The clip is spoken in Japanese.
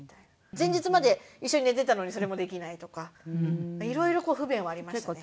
前日まで一緒に寝てたのにそれもできないとか色々不便はありましたね。